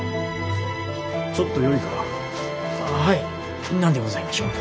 ちょっとよいか。